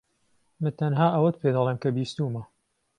من تەنها ئەوەت پێدەڵێم کە بیستوومە.